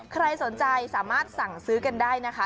ใครสนใจสามารถสั่งซื้อกันได้นะคะ